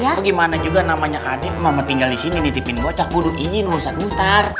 iya bagaimana juga namanya adik mama tinggal di sini nitipin bocah kudu izin ustadz mukhtar